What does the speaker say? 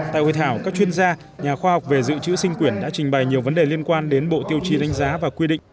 tại hội thảo các chuyên gia nhà khoa học về dự trữ sinh quyển đã trình bày nhiều vấn đề liên quan đến bộ tiêu chí đánh giá và quy định